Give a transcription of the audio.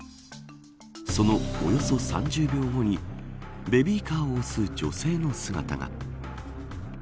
その、およそ３０秒後にベビーカーを押す女性の姿が。